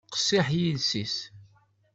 Qessiḥ yiles-is.